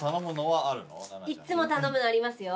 いっつも頼むのありますよ。